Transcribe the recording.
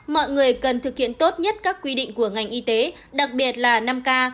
mọi người cần thực hiện tốt nhất các quy định của ngành y tế đặc biệt là năm k